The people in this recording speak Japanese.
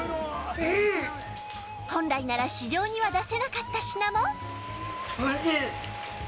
本来なら市場には出せなかった品も。